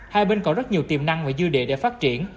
hai bên còn rất nhiều tiềm năng và dư địa để phát triển